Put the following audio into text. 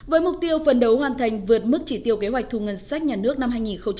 với mục tiêu phần đầu hoàn thành vượt mức chỉ tiêu kế hoạch thu ngân sách nhà nước năm hai nghìn một mươi tám